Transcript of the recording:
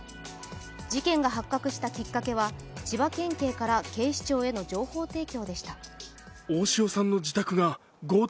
事件が発覚したきっかけは、千葉県警から警視庁への情報提供でした。